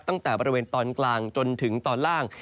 ตั้งแต่บริเวณตอนกลางจนถึงตอนล่าง